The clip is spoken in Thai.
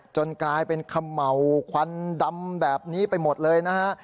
กลายเป็นเขม่าวควันดำแบบนี้ไปหมดเลยนะฮะ